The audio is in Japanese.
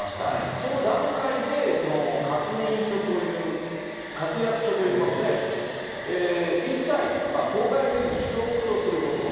その段階で、確認書という、確約書というもので、一切口外せずに秘匿とすることと。